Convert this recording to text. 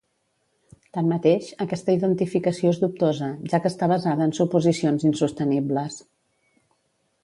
Tanmateix, aquesta identificació és dubtosa, ja que està basada en suposicions insostenibles.